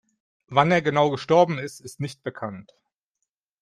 Wann er genau gestorben ist, ist nicht bekannt.